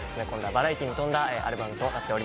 バラエティーに富んだアルバムとなっております。